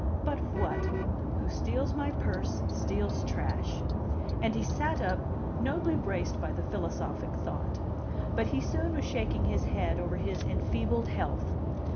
"But what! 'Who steals my purse steals trash.'" And he sat up, nobly braced by the philosophic thought. But he soon was shaking his head over his enfeebled health.